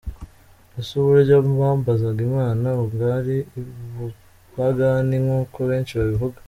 Ese uburyo bambazaga Imana bwari ubupagani, nk’uko benshi babivuga?.